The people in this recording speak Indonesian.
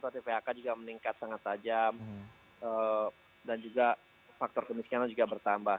tapi phk juga meningkat sangat tajam dan juga faktor kemiskinan juga bertambah